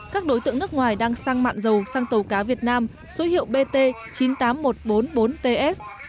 các đối tượng nước ngoài đang sang mạng dầu sang tàu cá việt nam số hiệu bt chín mươi tám nghìn một trăm bốn mươi bốn ts